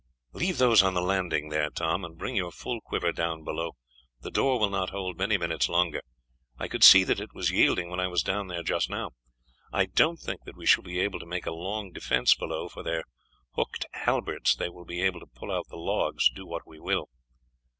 "Leave those on the landing here, Tom, and bring your full quiver down below. The door will not hold many minutes longer: I could see that it was yielding when I was down there just now. I don't think that we shall be able to make a long defence below, for with their hooked halberts they will be able to pull out the logs, do what we will."